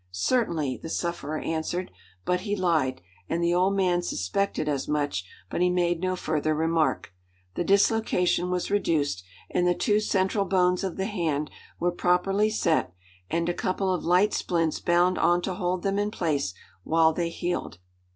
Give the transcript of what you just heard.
"Certainly," the sufferer answered; but he lied, and the old man suspected as much, but he made no further remark. The dislocation was reduced, and the two central bones of the hand were properly set, and a couple of light splints bound on to hold them in place while they healed.